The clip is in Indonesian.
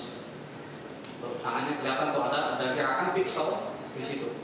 tangan yang kelihatan tuh ada gerakan piksel di situ